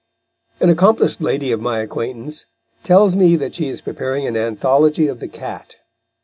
An accomplished lady of my acquaintance tells me that she is preparing an anthology of the cat.